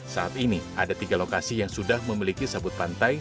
saat ini ada tiga lokasi yang sudah memiliki sabut pantai